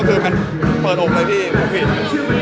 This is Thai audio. แต่ว่าถ้าเกิดว่าเข้าใจผิดจริงหรอ